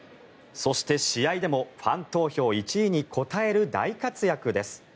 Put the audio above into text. そして、試合でもファン投票１位に応える大活躍です。